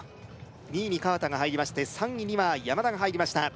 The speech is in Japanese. ２位に川田が入りまして３位には山田が入りました